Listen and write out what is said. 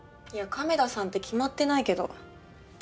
いや亀田さんって決まってないけど。